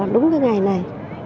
đúng cái ngày này